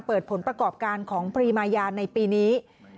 ผลประกอบการของพรีมายาในปีนี้